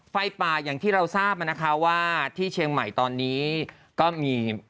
ไฟป่าอย่างที่เราทราบมานะคะว่าที่เชียงใหม่ตอนนี้ก็มี